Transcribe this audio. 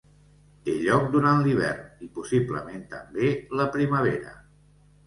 Té lloc durant l'hivern i, possiblement també, la primavera.